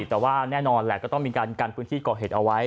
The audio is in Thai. แต่ว่าแน่นอนแหละก็ต้องมีการกันพื้นที่ก่อเหตุเอาไว้